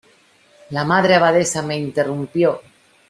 la Madre Abadesa me interrumpió: